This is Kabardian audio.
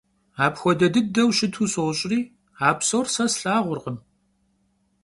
Apxuede dıdeu şıtu soş'ri, a psor se slhağurkhım.